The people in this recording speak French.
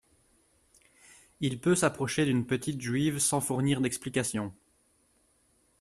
Il peut s’approcher d’une petite Juive sans fournir d’explications.